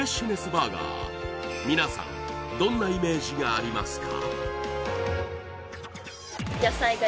バーガー皆さんどんなイメージがありますか？